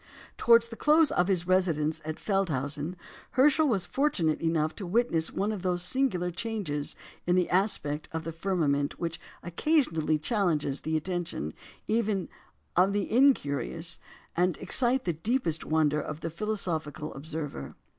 " Towards the close of his residence at Feldhausen, Herschel was fortunate enough to witness one of those singular changes in the aspect of the firmament which occasionally challenge the attention even of the incurious, and excite the deepest wonder of the philosophical observer.